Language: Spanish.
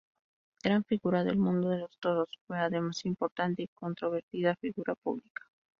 Gran figura del mundo de los toros, fue además importante y controvertida figura pública.